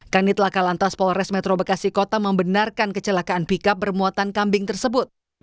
kanit laka lantas polres metro bekasi kota membenarkan kecelakaan pickup bermuatan kambing tersebut